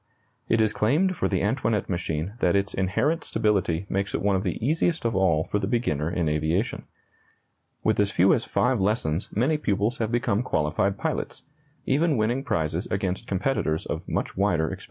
It is claimed for the Antoinette machine that its inherent stability makes it one of the easiest of all for the beginner in aviation. With as few as five lessons many pupils have become qualified pilots, even winning prizes against competitors of much wider experience.